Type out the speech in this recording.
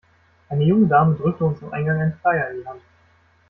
Eine junge Dame drückte uns am Eingang einen Flyer in die Hand.